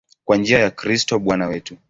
Kwa njia ya Kristo Bwana wetu.